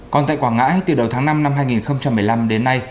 còn tại quảng ngãi từ đầu tháng năm năm hai nghìn một mươi năm đến nay